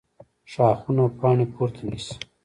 ښاخونه پاڼې پورته نیسي